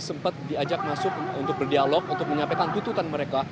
sempat diajak masuk untuk berdialog untuk menyampaikan tuntutan mereka